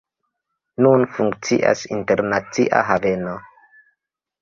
Nun funkcias internacia haveno.